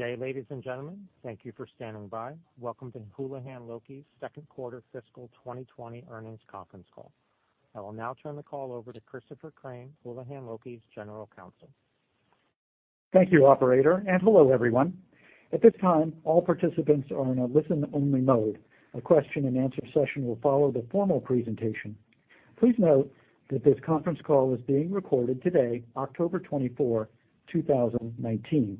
Okay, ladies and gentlemen, thank you for standing by. Welcome to Houlihan Lokey's Second Quarter Fiscal 2020 Earnings Conference Call. I will now turn the call over to Christopher Crain, Houlihan Lokey's general counsel. Thank you, operator, and hello everyone. At this time, all participants are in a listen-only mode. A question-and-answer session will follow the formal presentation. Please note that this conference call is being recorded today, October 24, 2019.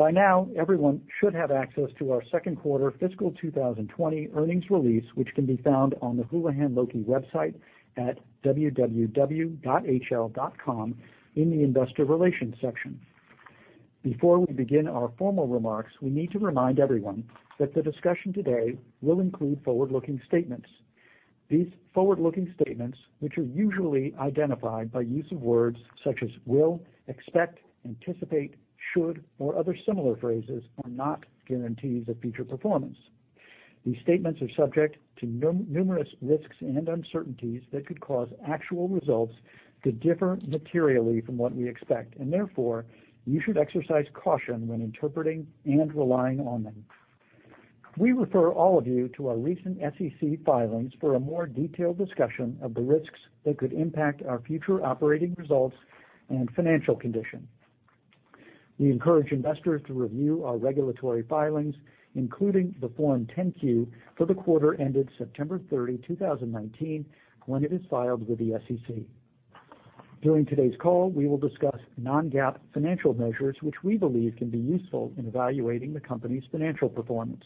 By now, everyone should have access to our second quarter fiscal 2020 earnings release, which can be found on the Houlihan Lokey website at www.hl.com in the investor relations section. Before we begin our formal remarks, we need to remind everyone that the discussion today will include forward-looking statements. These forward-looking statements, which are usually identified by use of words such as will, expect, anticipate, should, or other similar phrases, are not guarantees of future performance. These statements are subject to numerous risks and uncertainties that could cause actual results to differ materially from what we expect, and therefore you should exercise caution when interpreting and relying on them. We refer all of you to our recent SEC filings for a more detailed discussion of the risks that could impact our future operating results and financial condition. We encourage investors to review our regulatory filings, including the Form 10-Q for the quarter ended September 30, 2019, when it is filed with the SEC. During today's call, we will discuss non-GAAP financial measures, which we believe can be useful in evaluating the company's financial performance.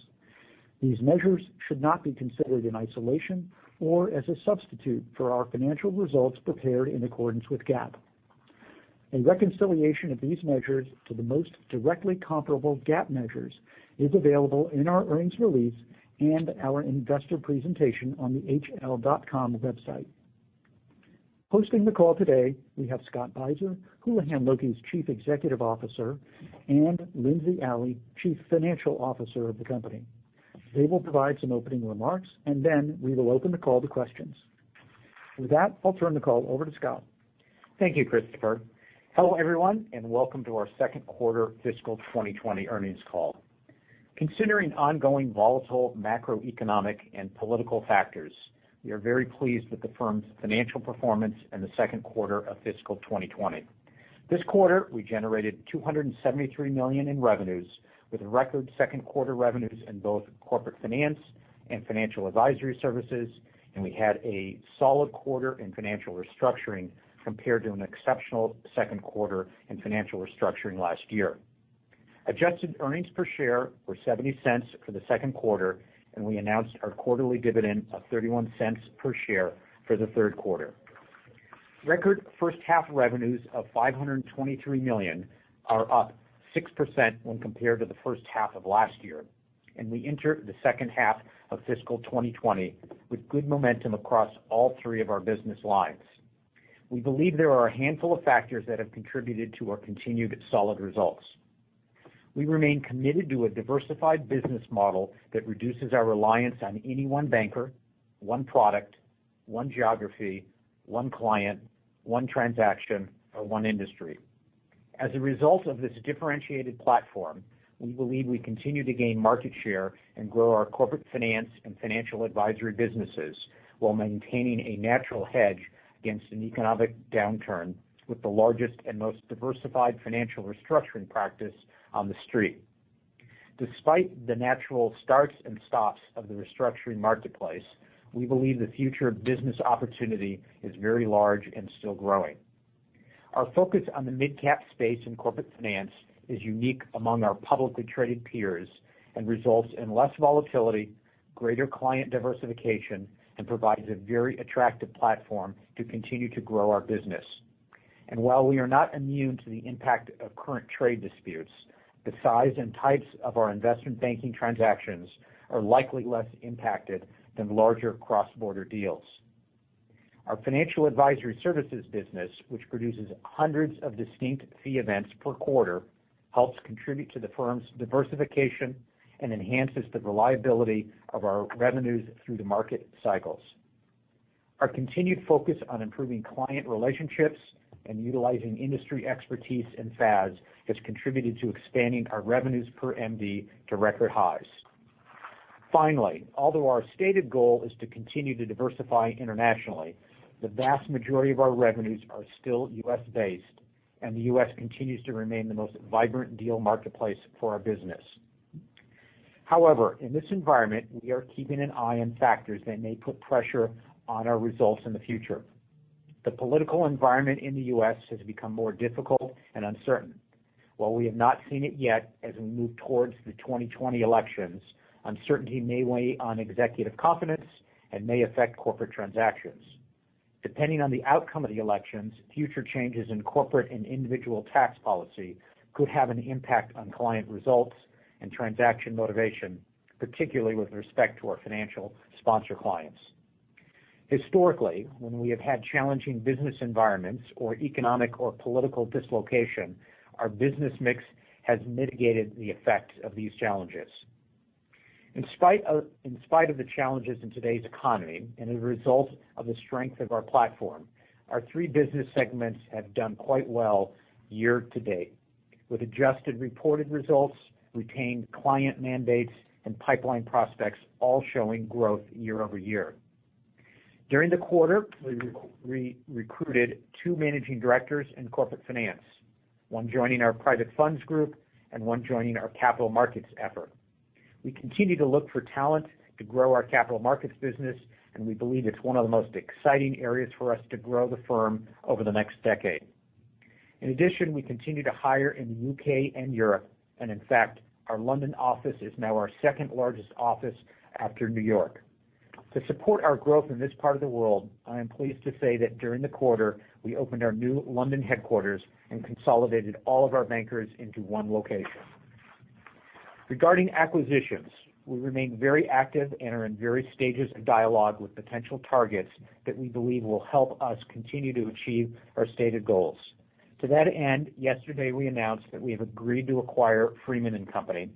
These measures should not be considered in isolation or as a substitute for our financial results prepared in accordance with GAAP. A reconciliation of these measures to the most directly comparable GAAP measures is available in our earnings release and our investor presentation on the hl.com website. Hosting the call today, we have Scott Beiser, Houlihan Lokey's Chief Executive Officer, and Lindsey Alley, Chief Financial Officer of the company. They will provide some opening remarks, and then we will open the call to questions. With that, I'll turn the call over to Scott. Thank you, Christopher. Hello, everyone, and welcome to our second quarter fiscal 2020 earnings call. Considering ongoing volatile macroeconomic and political factors, we are very pleased with the firm's financial performance in the second quarter of fiscal 2020. This quarter, we generated $273 million in revenues, with record second quarter revenues in both corporate finance and financial advisory services, and we had a solid quarter in financial restructuring compared to an exceptional second quarter in financial restructuring last year. Adjusted earnings per share were $0.70 for the second quarter, and we announced our quarterly dividend of $0.31 per share for the third quarter. Record first half revenues of $523 million are up 6% when compared to the first half of last year, and we enter the second half of fiscal 2020 with good momentum across all three of our business lines. We believe there are a handful of factors that have contributed to our continued solid results. We remain committed to a diversified business model that reduces our reliance on any one banker, one product, one geography, one client, one transaction, or one industry. As a result of this differentiated platform, we believe we continue to gain market share and grow our corporate finance and financial advisory businesses while maintaining a natural hedge against an economic downturn with the largest and most diversified financial restructuring practice on the street. Despite the natural starts and stops of the restructuring marketplace, we believe the future business opportunity is very large and still growing. Our focus on the mid-cap space in corporate finance is unique among our publicly traded peers and results in less volatility, greater client diversification, and provides a very attractive platform to continue to grow our business. While we are not immune to the impact of current trade disputes, the size and types of our investment banking transactions are likely less impacted than larger cross-border deals. Our financial advisory services business, which produces hundreds of distinct fee events per quarter, helps contribute to the firm's diversification and enhances the reliability of our revenues through the market cycles. Our continued focus on improving client relationships and utilizing industry expertise and FAS has contributed to expanding our revenues per MD to record highs. Finally, although our stated goal is to continue to diversify internationally, the vast majority of our revenues are still U.S.-based, and the U.S. continues to remain the most vibrant deal marketplace for our business. However, in this environment, we are keeping an eye on factors that may put pressure on our results in the future. The political environment in the U.S. Has become more difficult and uncertain. While we have not seen it yet as we move towards the 2020 elections, uncertainty may weigh on executive confidence and may affect corporate transactions. Depending on the outcome of the elections, future changes in corporate and individual tax policy could have an impact on client results and transaction motivation, particularly with respect to our financial sponsor clients. Historically, when we have had challenging business environments or economic or political dislocation, our business mix has mitigated the effect of these challenges. In spite of the challenges in today's economy and as a result of the strength of our platform, our three business segments have done quite well year to date, with adjusted reported results, retained client mandates, and pipeline prospects all showing growth year-over-year. During the quarter, we recruited two managing directors in corporate finance, one joining our Private Funds Group and one joining our Capital Markets effort. We continue to look for talent to grow our Capital markets business, and we believe it's one of the most exciting areas for us to grow the firm over the next decade. In addition, we continue to hire in the U.K. and Europe, and in fact, our London office is now our second largest office after New York. To support our growth in this part of the world, I am pleased to say that during the quarter, we opened our new London headquarters and consolidated all of our bankers into one location. Regarding acquisitions, we remain very active and are in various stages of dialogue with potential targets that we believe will help us continue to achieve our stated goals. To that end, yesterday we announced that we have agreed to acquire Freeman & Company,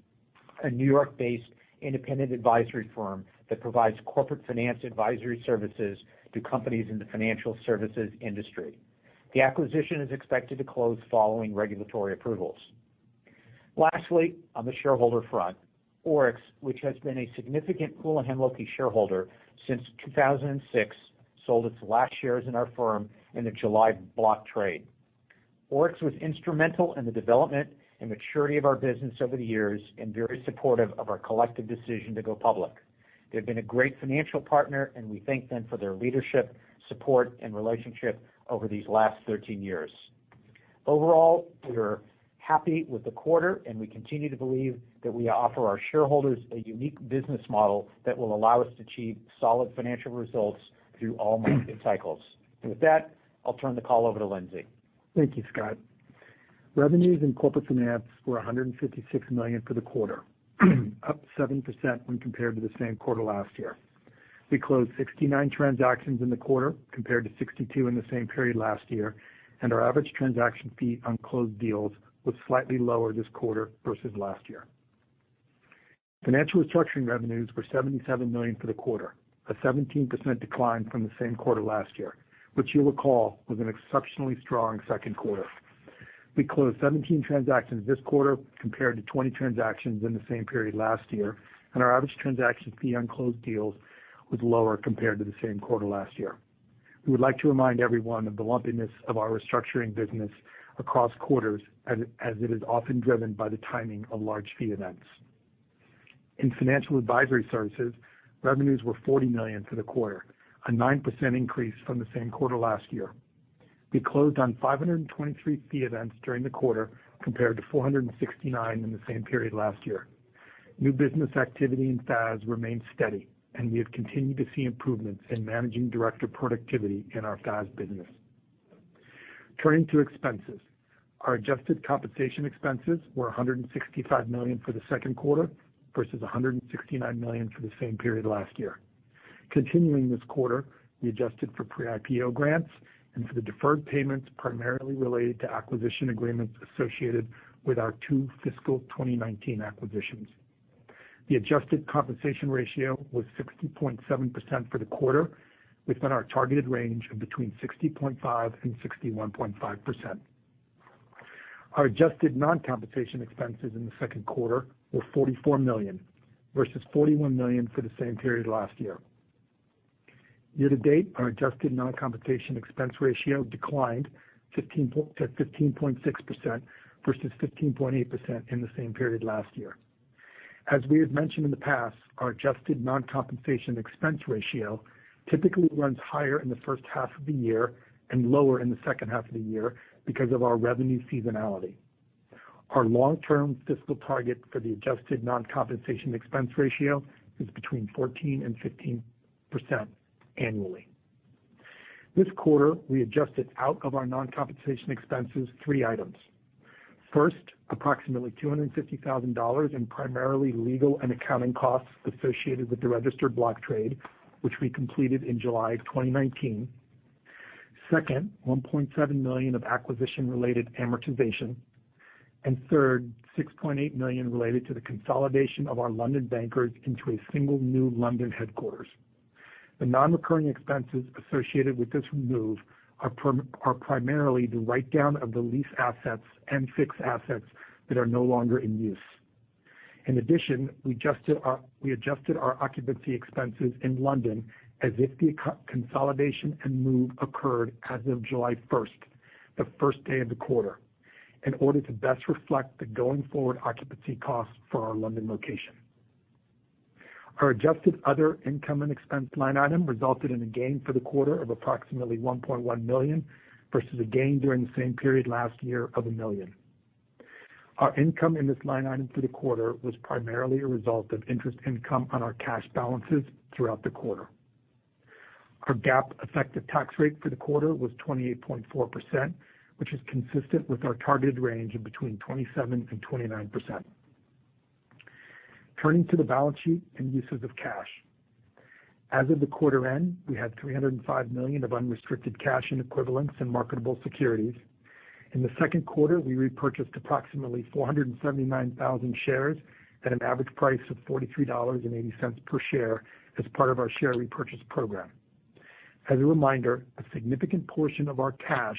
a New York-based independent advisory firm that provides corporate finance advisory services to companies in the financial services industry. The acquisition is expected to close following regulatory approvals. Lastly, on the shareholder front, ORIX, which has been a significant Houlihan Lokey shareholder since 2006, sold its last shares in our firm in the July block trade. ORIX was instrumental in the development and maturity of our business over the years and very supportive of our collective decision to go public. They've been a great financial partner, and we thank them for their leadership, support, and relationship over these last 13 years. Overall, we are happy with the quarter, and we continue to believe that we offer our shareholders a unique business model that will allow us to achieve solid financial results through all market cycles. With that, I'll turn the call over to Lindsey. Thank you, Scott. Revenues in Corporate Finance were $156 million for the quarter, up 7% when compared to the same quarter last year. We closed 69 transactions in the quarter compared to 62 in the same period last year, and our average transaction fee on closed deals was slightly lower this quarter versus last year. Financial Restructuring revenues were $77 million for the quarter, a 17% decline from the same quarter last year, which you'll recall was an exceptionally strong second quarter. We closed 17 transactions this quarter compared to 20 transactions in the same period last year, and our average transaction fee on closed deals was lower compared to the same quarter last year. We would like to remind everyone of the lumpiness of our restructuring business across quarters, as it is often driven by the timing of large Fee Events. In Financial Advisory Services, revenues were $40 million for the quarter, a 9% increase from the same quarter last year. We closed on 523 fee events during the quarter compared to 469 in the same period last year. New business activity in FAS remained steady, and we have continued to see improvements in Managing Director productivity in our FAS business. Turning to expenses, our adjusted compensation expenses were $165 million for the second quarter versus $169 million for the same period last year. Continuing this quarter, we adjusted for pre-IPO grants and for the deferred payments primarily related to acquisition agreements associated with our two fiscal 2019 acquisitions. The adjusted compensation ratio was 60.7% for the quarter, within our targeted range of between 60.5% and 61.5%. Our adjusted non-compensation expenses in the second quarter were $44 million versus $41 million for the same period last year. Year to date, our adjusted non-compensation expense ratio declined to 15.6% versus 15.8% in the same period last year. As we had mentioned in the past, our adjusted non-compensation expense ratio typically runs higher in the first half of the year and lower in the second half of the year because of our revenue seasonality. Our long-term fiscal target for the adjusted non-compensation expense ratio is between 14% and 15% annually. This quarter, we adjusted out of our non-compensation expenses three items. First, approximately $250,000 in primarily legal and accounting costs associated with the registered block trade, which we completed in July of 2019. Second, $1.7 million of acquisition-related amortization. And third, $6.8 million related to the consolidation of our London bankers into a single new London headquarters. The non-recurring expenses associated with this move are primarily the write-down of the lease assets and fixed assets that are no longer in use. In addition, we adjusted our occupancy expenses in London as if the consolidation and move occurred as of July 1st, the first day of the quarter, in order to best reflect the going forward occupancy costs for our London location. Our adjusted other income and expense line item resulted in a gain for the quarter of approximately $1.1 million versus a gain during the same period last year of $1 million. Our income in this line item for the quarter was primarily a result of interest income on our cash balances throughout the quarter. Our GAAP effective tax rate for the quarter was 28.4%, which is consistent with our targeted range of between 27%-29%. Turning to the balance sheet and uses of cash. As of the quarter end, we had $305 million of unrestricted cash in equivalents and marketable securities. In the second quarter, we repurchased approximately 479,000 shares at an average price of $43.80 per share as part of our share repurchase program. As a reminder, a significant portion of our cash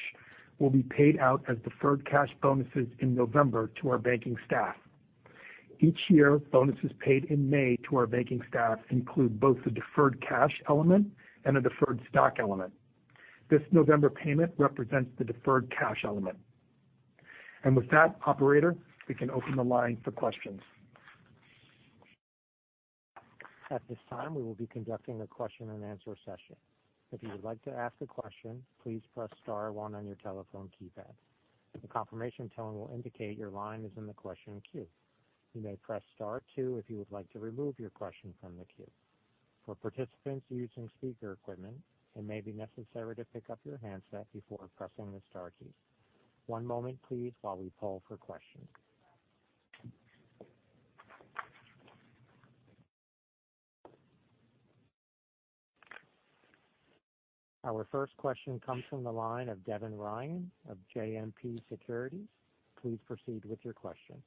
will be paid out as deferred cash bonuses in November to our banking staff. Each year, bonuses paid in May to our banking staff include both the deferred cash element and a deferred stock element. This November payment represents the deferred cash element. And with that, Operator, we can open the line for questions. At this time, we will be conducting a question-and-answer session. If you would like to ask a question, please press star one on your telephone keypad. The confirmation tone will indicate your line is in the question queue. You may press star two if you would like to remove your question from the queue. For participants using speaker equipment, it may be necessary to pick up your handset before pressing the star key. One moment, please, while we poll for questions. Our first question comes from the line of Devin Ryan of JMP Securities. Please proceed with your question.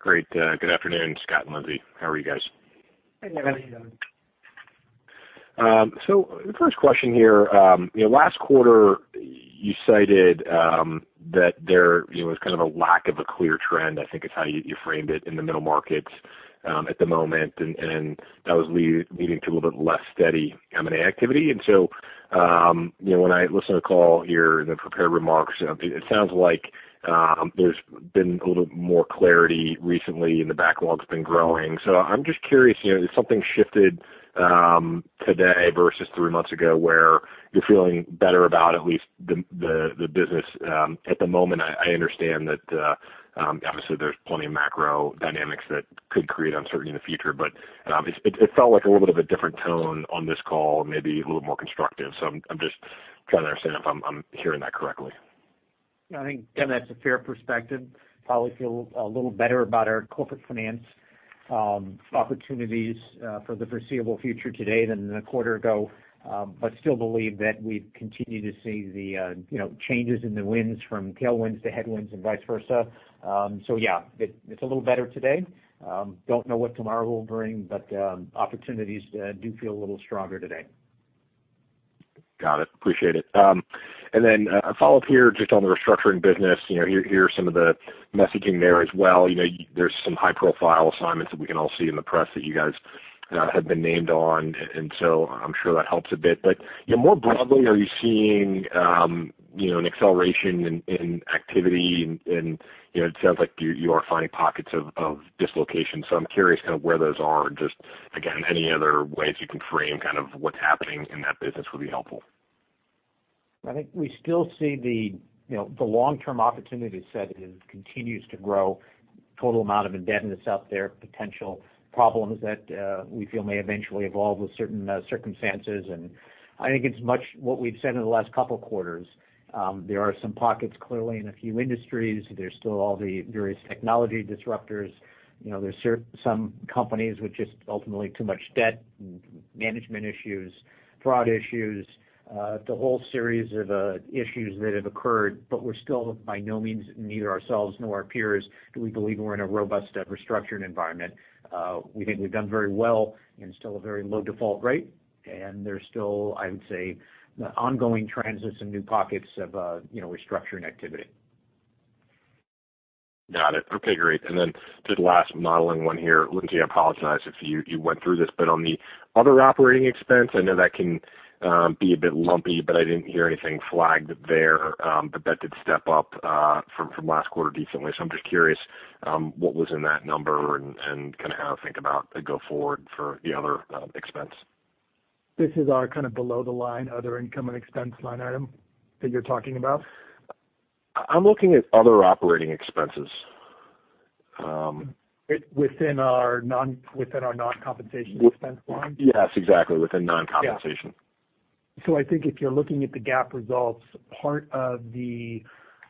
Great. Good afternoon, Scott and Lindsey. How are you guys? Hey, Devin. So the first question here, last quarter, you cited that there was kind of a lack of a clear trend, I think is how you framed it, in the middle markets at the moment, and that was leading to a little bit less steady M&A activity. And so when I listened to the call, your prepared remarks, it sounds like there's been a little more clarity recently and the backlog's been growing. So I'm just curious, has something shifted today versus three months ago where you're feeling better about at least the business? At the moment, I understand that obviously there's plenty of macro dynamics that could create uncertainty in the future, but it felt like a little bit of a different tone on this call, maybe a little more constructive. So I'm just trying to understand if I'm hearing that correctly. I think, Devin, that's a fair perspective. Probably feel a little better about our corporate finance opportunities for the foreseeable future today than a quarter ago, but still believe that we continue to see the changes in the winds from tailwinds to headwinds and vice versa. So yeah, it's a little better today. Don't know what tomorrow will bring, but opportunities do feel a little stronger today. Got it. Appreciate it, and then a follow-up here just on the restructuring business. Here's some of the messaging there as well. There's some high-profile assignments that we can all see in the press that you guys have been named on, and so I'm sure that helps a bit, but more broadly, are you seeing an acceleration in activity? And it sounds like you are finding pockets of dislocation, so I'm curious kind of where those are and just, again, any other ways you can frame kind of what's happening in that business would be helpful. I think we still see the long-term opportunity set continues to grow, total amount of indebtedness out there, potential problems that we feel may eventually evolve with certain circumstances, and I think it's much what we've said in the last couple of quarters. There are some pockets clearly in a few industries. There's still all the various technology disruptors. There's some companies with just ultimately too much debt, management issues, fraud issues, the whole series of issues that have occurred, but we're still by no means neither ourselves nor our peers do we believe we're in a robust restructuring environment. We think we've done very well and still a very low default rate, and there's still, I would say, ongoing trends and new pockets of restructuring activity. Got it. Okay, great. And then just last modeling one here. Lindsey, I apologize if you went through this, but on the other operating expense, I know that can be a bit lumpy, but I didn't hear anything flagged there, but that did step up from last quarter decently. So I'm just curious what was in that number and kind of how to think about a go-forward for the other expense. This is our kind of below-the-line other income and expense line item that you're talking about? I'm looking at other operating expenses. Within our non-compensation expense line? Yes, exactly. Within non-compensation. Yeah. So I think if you're looking at the GAAP results, part of the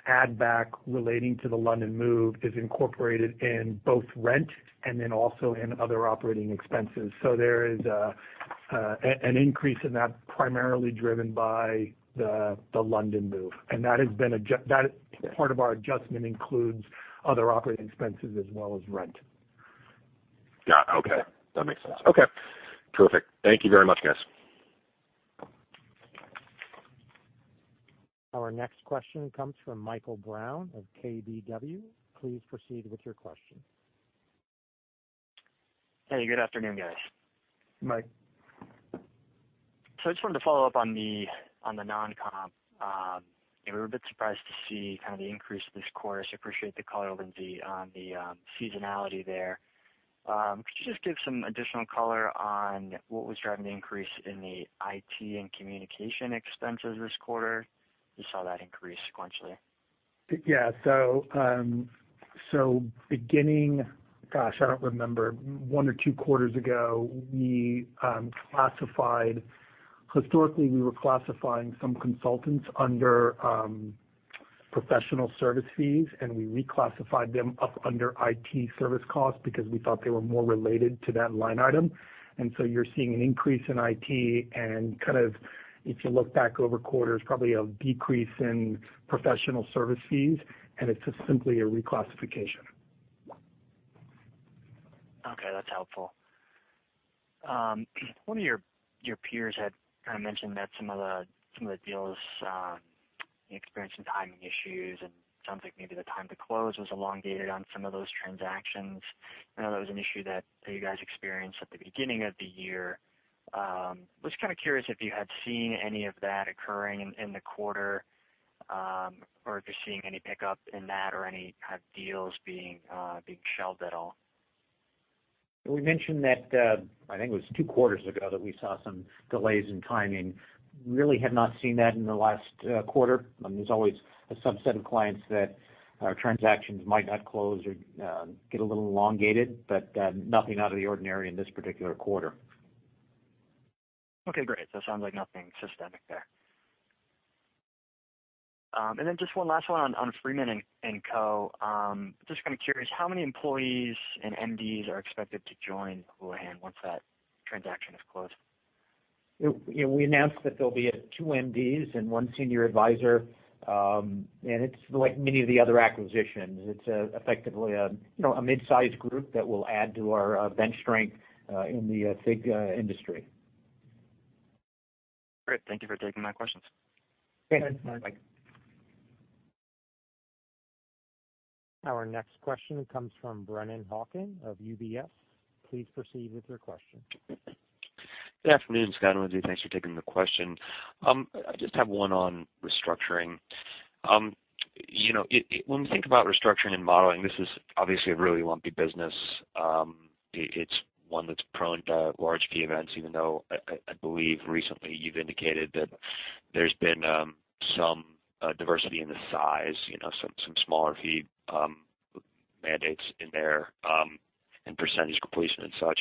add-back relating to the London move is incorporated in both rent and then also in other operating expenses. So there is an increase in that primarily driven by the London move. And that has been a part of our adjustment includes other operating expenses as well as rent. Got it. Okay. That makes sense. Okay. Terrific. Thank you very much, guys. Our next question comes from Michael Brown of KBW. Please proceed with your question. Hey, good afternoon, guys. Mike. So I just wanted to follow up on the non-comp. We were a bit surprised to see kind of the increase this quarter. So I appreciate the color, Lindsey, on the seasonality there. Could you just give some additional color on what was driving the increase in the IT and communication expenses this quarter? You saw that increase sequentially. Yeah. So beginning, gosh, I don't remember, one or two quarters ago, we classified historically, we were classifying some consultants under professional service fees, and we reclassified them up under IT service costs because we thought they were more related to that line item. And so you're seeing an increase in IT and kind of, if you look back over quarters, probably a decrease in professional service fees, and it's simply a reclassification. Okay. That's helpful. One of your peers had kind of mentioned that some of the deals experienced some timing issues, and it sounds like maybe the time to close was elongated on some of those transactions. I know that was an issue that you guys experienced at the beginning of the year. I was kind of curious if you had seen any of that occurring in the quarter or if you're seeing any pickup in that or any kind of deals being shelved at all. We mentioned that I think it was two quarters ago that we saw some delays in timing. Really have not seen that in the last quarter. There's always a subset of clients that our transactions might not close or get a little elongated, but nothing out of the ordinary in this particular quarter. Okay, great. So it sounds like nothing systemic there. And then just one last one on Freeman & Co. Just kind of curious, how many employees and MDs are expected to join Houlihan once that transaction is closed? We announced that there'll be two MDs and one senior advisor, and it's like many of the other acquisitions. It's effectively a mid-sized group that will add to our bench strength in the FIG industry. Great. Thank you for taking my questions. Thanks. Bye. Our next question comes from Brennan Hawken of UBS. Please proceed with your question. Good afternoon, Scott and Lindsey. Thanks for taking the question. I just have one on restructuring. When we think about restructuring and modeling, this is obviously a really lumpy business. It's one that's prone to large fee events, even though I believe recently you've indicated that there's been some diversity in the size, some smaller fee mandates in there and percentage completion and such.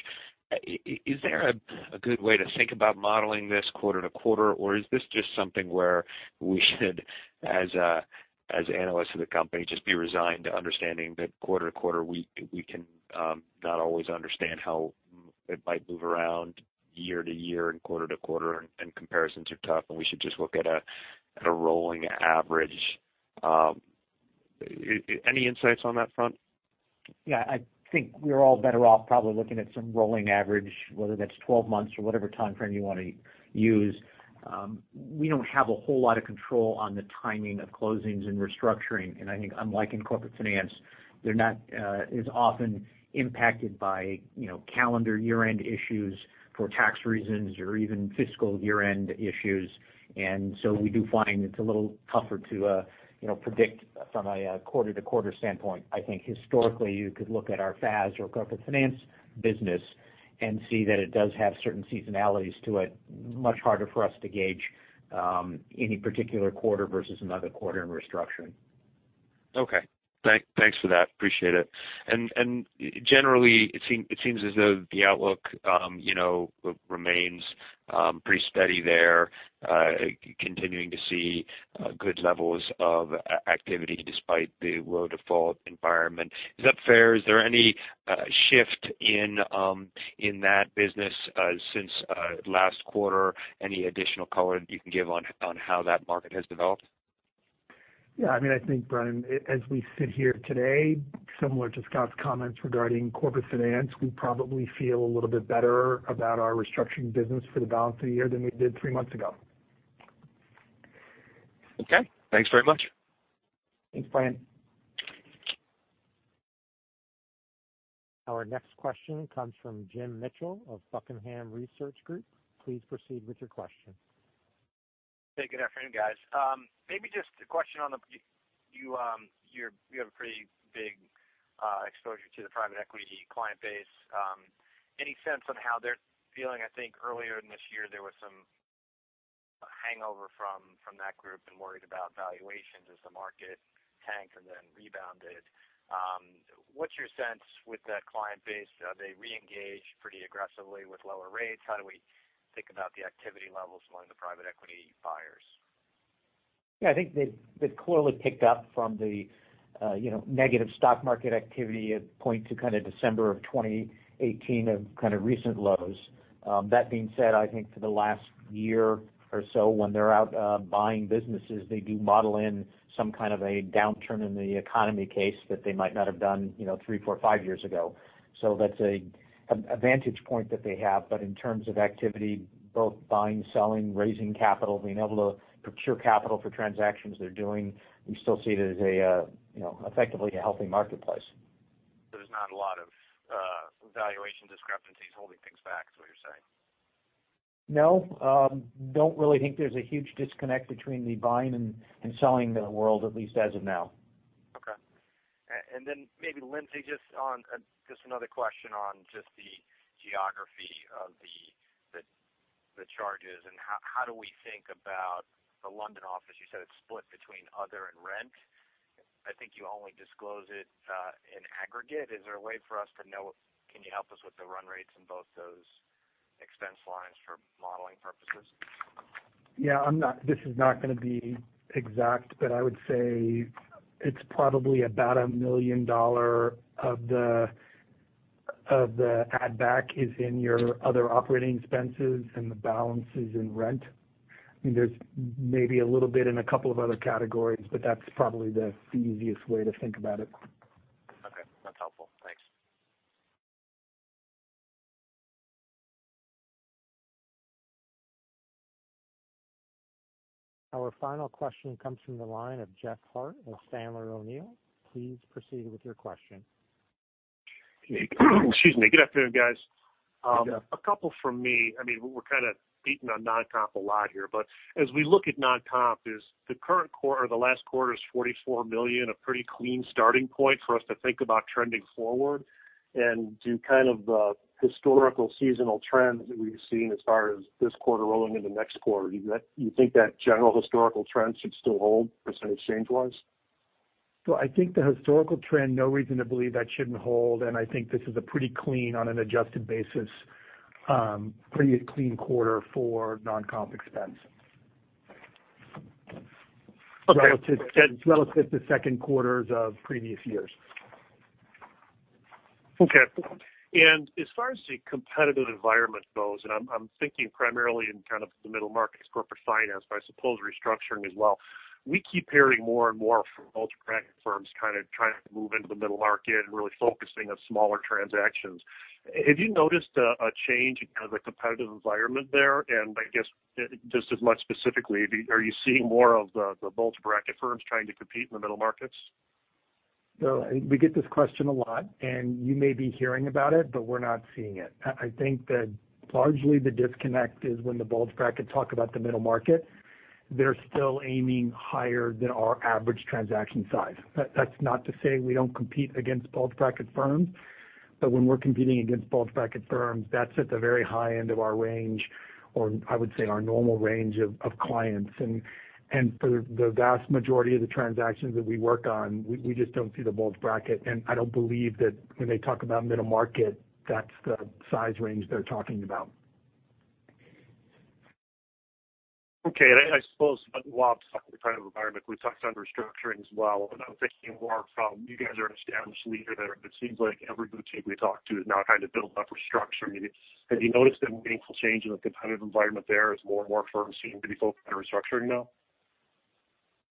Is there a good way to think about modeling this quarter to quarter, or is this just something where we should, as analysts of the company, just be resigned to understanding that quarter to quarter, we can not always understand how it might move around year to year and quarter to quarter, and comparisons are tough, and we should just look at a rolling average? Any insights on that front? Yeah. I think we're all better off probably looking at some rolling average, whether that's 12 months or whatever timeframe you want to use. We don't have a whole lot of control on the timing of closings and restructuring. And I think, unlike in corporate finance, they're not as often impacted by calendar year-end issues for tax reasons or even fiscal year-end issues. And so we do find it's a little tougher to predict from a quarter-to-quarter standpoint. I think historically, you could look at our FAS or corporate finance business and see that it does have certain seasonalities to it. Much harder for us to gauge any particular quarter versus another quarter in restructuring. Okay. Thanks for that. Appreciate it. And generally, it seems as though the outlook remains pretty steady there, continuing to see good levels of activity despite the low default environment. Is that fair? Is there any shift in that business since last quarter? Any additional color that you can give on how that market has developed? Yeah. I mean, I think, Brennan, as we sit here today, similar to Scott's comments regarding corporate finance, we probably feel a little bit better about our restructuring business for the balance of the year than we did three months ago. Okay. Thanks very much. Thanks, Brennan. Our next question comes from Jim Mitchell of Buckingham Research Group. Please proceed with your question. Hey, good afternoon, guys. Maybe just a question on the you have a pretty big exposure to the private equity client base. Any sense on how they're feeling? I think earlier in this year, there was some hangover from that group and worried about valuations as the market tanked and then rebounded. What's your sense with that client base? Are they re-engaged pretty aggressively with lower rates? How do we think about the activity levels among the private equity buyers? Yeah. I think they've clearly picked up from the negative stock market activity from the low point to kind of December of 2018 or kind of recent lows. That being said, I think for the last year or so, when they're out buying businesses, they do model in some kind of a downturn in the economic case that they might not have done three, four, five years ago. So that's a vantage point that they have. But in terms of activity, both buying, selling, raising capital, being able to procure capital for transactions they're doing, we still see it as effectively a healthy marketplace. So there's not a lot of valuation discrepancies holding things back, is what you're saying? No. Don't really think there's a huge disconnect between the buying and selling world, at least as of now. Okay. And then maybe, Lindsey, just another question on just the geography of the charges. And how do we think about the London office? You said it's split between other and rent. I think you only disclose it in aggregate. Is there a way for us to know? Can you help us with the run rates in both those expense lines for modeling purposes? Yeah. This is not going to be exact, but I would say it's probably about $1 million of the add-back is in your other operating expenses and the balances in rent. I mean, there's maybe a little bit in a couple of other categories, but that's probably the easiest way to think about it. Okay. That's helpful. Thanks. Our final question comes from the line of Jeff Harte of Sandler O'Neill. Please proceed with your question. Excuse me. Good afternoon, guys. A couple from me. I mean, we're kind of beating on non-comp a lot here. But as we look at non-comp, the current quarter or the last quarter is $44 million, a pretty clean starting point for us to think about trending forward and do kind of the historical seasonal trends that we've seen as far as this quarter rolling into next quarter. Do you think that general historical trend should still hold percentage change-wise? Well, I think the historical trend, no reason to believe that shouldn't hold. And I think this is a pretty clean, on an adjusted basis, pretty clean quarter for non-comp expense relative to second quarters of previous years. Okay. As far as the competitive environment goes, and I'm thinking primarily in kind of the middle markets, corporate finance, but I suppose restructuring as well, we keep hearing more and more from bulge bracket firms kind of trying to move into the middle market and really focusing on smaller transactions. Have you noticed a change in the competitive environment there? And I guess just as much specifically, are you seeing more of the bulge bracket firms trying to compete in the middle markets? No. We get this question a lot, and you may be hearing about it, but we're not seeing it. I think that largely the disconnect is when the bulge bracket talk about the middle market, they're still aiming higher than our average transaction size. That's not to say we don't compete against bulge bracket firms, but when we're competing against bulge bracket firms, that's at the very high end of our range, or I would say our normal range of clients. And for the vast majority of the transactions that we work on, we just don't see the bulge bracket. And I don't believe that when they talk about middle market, that's the size range they're talking about. Okay. And I suppose while I'm talking about the kind of environment, we've talked about restructuring as well. I'm thinking more from you guys are an established leader there, but it seems like every boutique we talk to is now trying to build up restructuring. Have you noticed a meaningful change in the competitive environment there as more and more firms seem to be focused on restructuring now?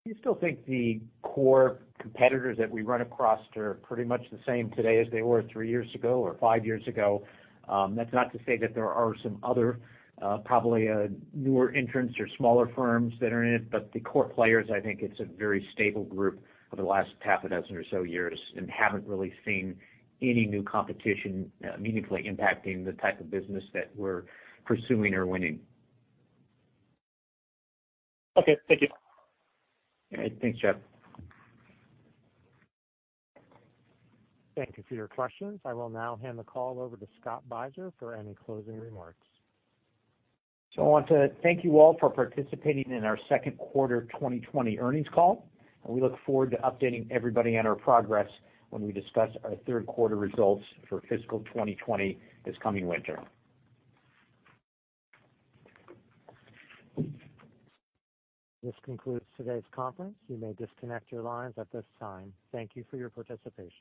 I still think the core competitors that we run across are pretty much the same today as they were three years ago or five years ago. That's not to say that there are some other probably newer entrants or smaller firms that are in it, but the core players, I think it's a very stable group over the last half a dozen or so years and haven't really seen any new competition meaningfully impacting the type of business that we're pursuing or winning. Okay. Thank you. All right. Thanks, Jeff. Thank you for your questions. I will now hand the call over to Scott Beiser for any closing remarks. I want to thank you all for participating in our second quarter 2020 earnings call. We look forward to updating everybody on our progress when we discuss our third quarter results for fiscal 2020 this coming winter. This concludes today's conference. You may disconnect your lines at this time. Thank you for your participation.